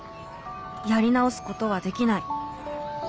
やり直すことはできない。